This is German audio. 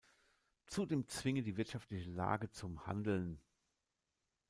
Zudem zwinge die wirtschaftliche Lage zum Handeln.